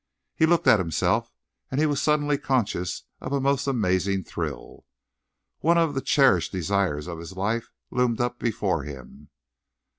He looked at himself, and he was suddenly conscious of a most amazing thrill. One of the cherished desires of his life loomed up before him.